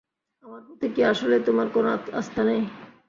আমার প্রতি কি আসলেই তোমার কোনো আস্থা নেই?